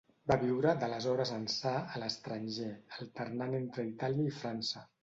Va viure, d'aleshores ençà, a l'estranger, alternant entre Itàlia i França.